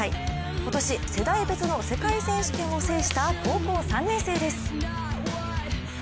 今年、世代別の世界選手権を制した高校３年生です。